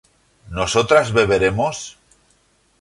¿nosotras beberemos?